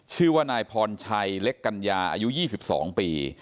ชื่อว่านายพรชัยเล็กกัญญาอายุ๒๒ปี